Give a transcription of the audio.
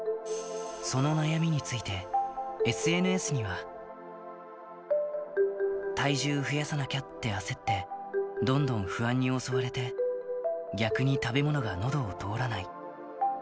その悩みについて、ＳＮＳには。体重増やさなきゃって焦って、どんどん不安に襲われて、逆に食べ物がのどを通らない。